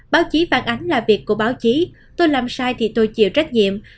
báo chí phản ánh là việc của báo chí tôi làm sai thì tôi chịu trách nhiệm